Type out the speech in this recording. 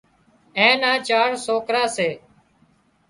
اين نا چار سوڪرا سي